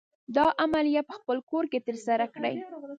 دا عملیه په خپل کور کې تر سره کړئ.